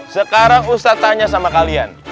sekarang ustadz tanya sama kalian